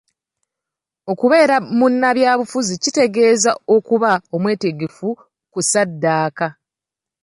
Okubeera mu nnabyabufuzi kitegeeeza kuba mwetegefu kusaddaaka